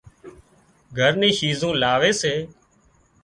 گھر ني شيزون لاوي سي